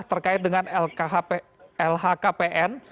terkait dengan lhkpn